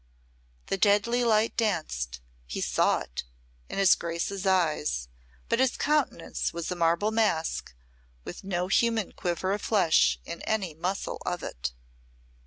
The deadly light danced he saw it in his Grace's eyes, but his countenance was a marble mask with no human quiver of flesh in any muscle of it.